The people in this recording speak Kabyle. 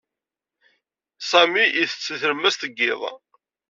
Sami isett deg tlemmast n yiḍ.